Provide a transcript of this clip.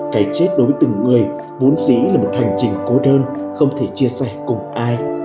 cái chết đối với từng người vốn dĩ là một hành trình cố đơn không thể chia sẻ cùng ai